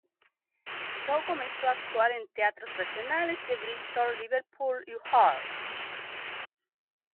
Shaw comenzó a actuar en teatros regionales de Bristol, Liverpool y Hull.